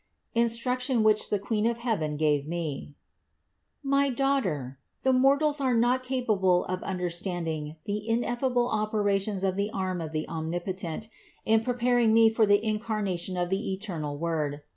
INSTRUCTION WHICH THE QUEEN OF HEAVEN GAVE ME. 13. My daughter, the mortals are not capable of un derstanding the ineffable operations of the arm of the Omnipotent in preparing me for the Incarnation of the eternal Word.